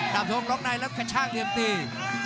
ดาบทงล็อกในแล้วกระช่างเรียบตี